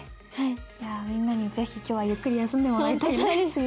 みんなに是非今日はゆっくり休んでもらいたいね。